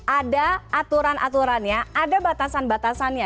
ada aturan aturannya ada batasan batasannya